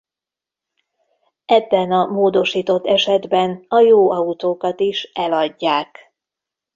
Ebben a módosított esetben a jó autókat is eladják.